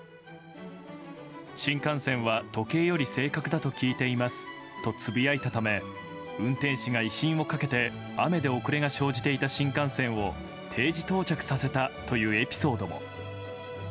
新幹線は時計より正確だと聞いていますと、つぶやいたため運転士が威信をかけて雨で遅れが生じていた新幹線を定時到着させたというエピソードも。